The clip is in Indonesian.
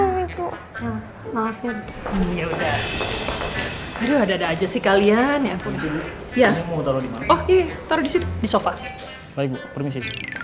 maaf ya udah ada aja sih kalian ya ya oh iya taruh di situ di sofa permisi